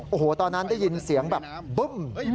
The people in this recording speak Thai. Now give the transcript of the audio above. โอ้โหตอนนั้นได้ยินเสียงแบบบึ้ม